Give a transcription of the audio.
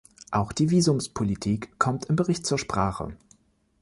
Auch die Visumspolitik kommt im Bericht zur Sprache.